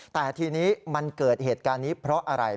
แต่ทีนี้มันเกิดเหตุการณ์นี้เพราะอะไร